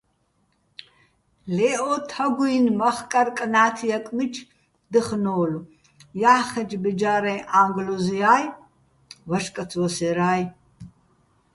ლე ო თაგუჲნი̆ მახკარ-კნა́თიაკ მიჩკ დეხნო́ლო̆, ჲა́ხხეჩო̆ ბეჯა́რეჼ ა́ჼგლოზია́ჲ, ვაჟკაც ვასერა́ჲ.